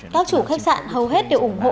các chủ khách sạn hầu hết đều ủng hộ